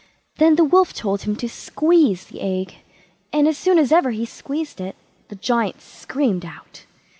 Then the Wolf told him to squeeze the egg, and as soon as ever he squeezed it the Giant screamed out.